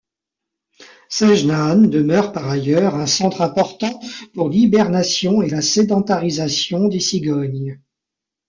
Sejnane demeure par ailleurs un centre important pour l'hibernation et la sédentarisation des cigognes.